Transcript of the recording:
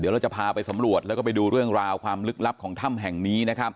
เราจะพาไปสำรวจแล้วก็ไปดูเรื่องราวความลึกลับของถ้ำแห่งนี้นะครับ